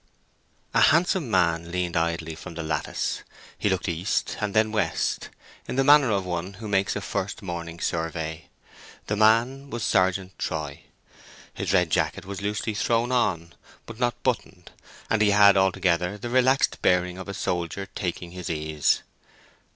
A handsome man leaned idly from the lattice. He looked east and then west, in the manner of one who makes a first morning survey. The man was Sergeant Troy. His red jacket was loosely thrown on, but not buttoned, and he had altogether the relaxed bearing of a soldier taking his ease.